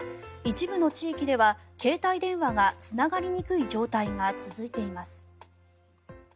一部の地域では携帯電話がつながりにくい状態が続いています。